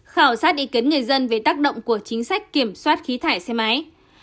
khảo sát ý kiến người dân về tác động của chính sách kiểm soát khí thải xe máy